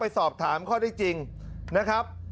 ไปสอบถามค่าได้จริงนะครับ